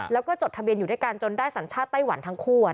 แล้วก็จดทะเบียนอยู่ด้วยกันจนได้สัญชาติไต้หวันทั้งคู่